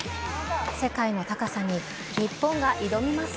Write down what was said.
世界の高さに日本が挑みます。